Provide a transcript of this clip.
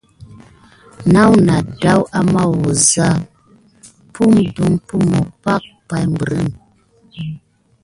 Na ədaw ama wəza aza pum dupummo pake pay mbrən.